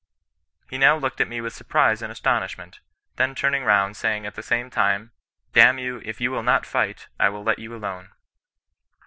He now looked at me with sur prise and astonishment, then turning round saying at the same time, * D — n you, if you will not fight, I will let you alone.'